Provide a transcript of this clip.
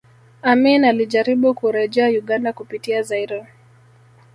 Amin alijaribu kurejea Uganda kupitia Zaire